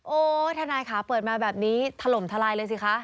โอ้ถ้านายขาเปิดมาแบบนี้ถล่มทลายเลยสิคะ